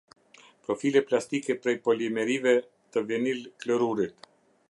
Profile plastike prej polimerive te vinil klorurit.